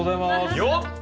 よっ！